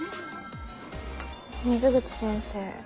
水口先生